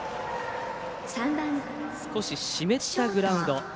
少し湿ったグラウンド。